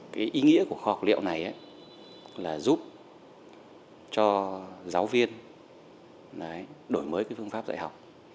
cái ý nghĩa của kho học liệu này là giúp cho giáo viên đổi mới phương pháp dạy học